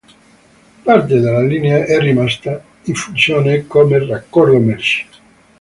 Parte della linea è rimasta in funzione come raccordo merci.